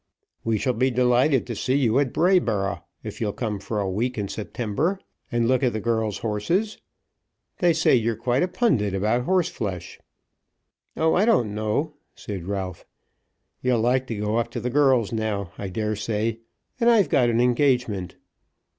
"We shall be delighted to see you at Brayboro', if you'll come for a week in September and look at the girls' horses. They say you're quite a pundit about horseflesh." "Oh, I don't know," said Ralph. "You'll like to go up to the girls now, I dare say, and I've got an engagement."